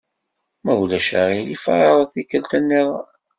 Ma ulac aɣilif εreḍ tikkelt-nniḍen.